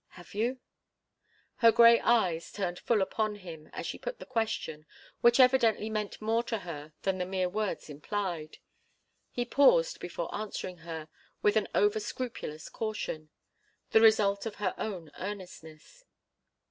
"Have you?" Her grey eyes turned full upon him as she put the question, which evidently meant more to her than the mere words implied. He paused before answering her, with an over scrupulous caution, the result of her own earnestness.